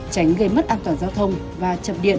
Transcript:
tránh gây mất an toàn giao thông và chập điện cháy nổ